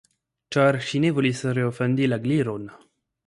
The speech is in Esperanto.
Ĉar ŝi ne volis reofendi la Gliron.